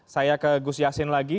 saya ke gus yassin lagi